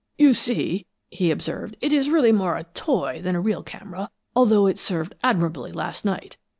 "You see," he observed, "it is really more a toy than a real camera, although it served admirably last night.